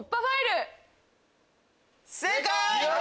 正解！